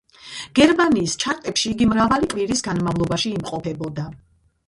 გერმანიის ჩარტებში იგი მრავალი კვირის განმავლობაში იმყოფებოდა.